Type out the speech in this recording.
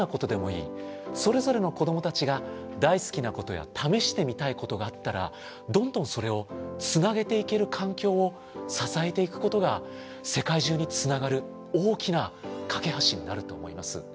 それぞれの子どもたちが大好きなことや試してみたいことがあったらどんどんそれをつなげていける環境を支えていくことが世界中につながる大きな懸け橋になると思います。